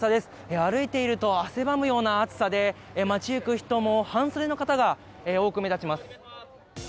歩いていると汗ばむような暑さで、街行く人も半袖の方が多く目立ちます。